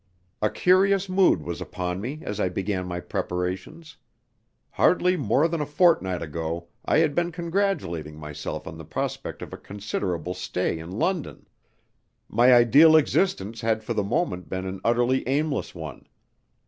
A curious mood was upon me as I began my preparations. Hardly more than a fortnight ago I had been congratulating myself on the prospect of a considerable stay in London. My ideal existence had for the moment been an utterly aimless one.